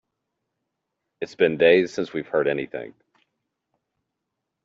It's been days since we've heard anything.